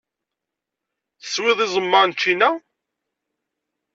Teswiḍ iẓem-a n ccina?